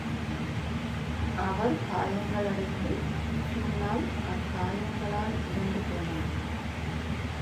அவர் காயங்களடைந்து பின்னால் அக்காயங்களால் இறந்து போனார்.